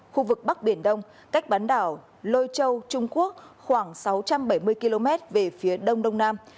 khu vực bắc biển đông cách bán đảo lôi châu trung quốc khoảng sáu trăm bảy mươi km về phía đông đông nam